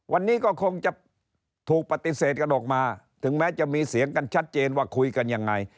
วันนี้ก็คงจะถูกปฏิเสธกันออกมาถึงแม้จะมีเสียงกันชัดเจนว่าคุยกันยังไง